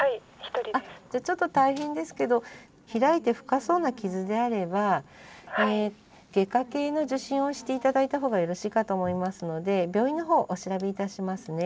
じゃあちょっと大変ですけど開いて深そうな傷であれば外科系の受診をして頂いた方がよろしいかと思いますので病院の方お調べいたしますね。